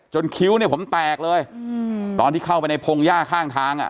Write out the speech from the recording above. คิ้วเนี่ยผมแตกเลยตอนที่เข้าไปในพงหญ้าข้างทางอ่ะ